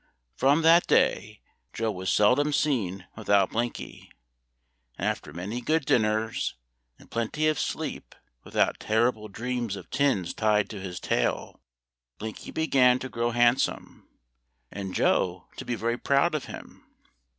From that day Joe was seldom seen without Blinky; and after many good dinners, and plenty of sleep without terrible dreams of tins tied to his tail, Blinky began to grow handsome, and Joe to be very proud of him.